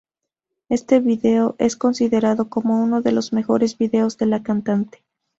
Este video es considerado como uno de los mejores videos de la cantante.